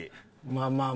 まあまあ。